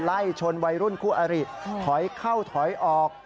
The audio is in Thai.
ไล่ชนวัยรุ่นคู่อริถอยเข้าถอยออก